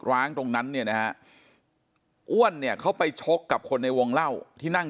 ร้างตรงนั้นเนี่ยนะฮะอ้วนเนี่ยเขาไปชกกับคนในวงเล่าที่นั่ง